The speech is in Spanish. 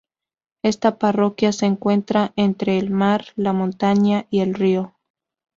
Esta parroquia se encuentra entre el mar, la montaña y el río.